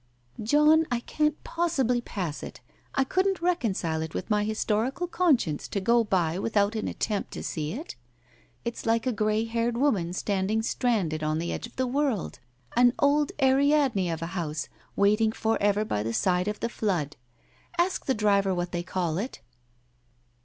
"John, I can't possibly pass it 1 I couldn't reconcile it with my historical conscience to go by without an attempt to see it. It's like a grey haired woman stand ing stranded on the edge of the world, an old Ariadne of a house, waiting for ever by the side of the flood. ... Ask the driver what they call it